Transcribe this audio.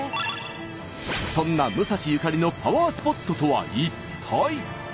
そんな武蔵ゆかりのパワースポットとは一体。